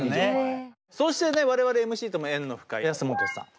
そしてね我々ＭＣとも縁の深い安本さん。